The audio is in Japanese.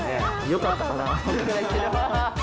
よかったかな。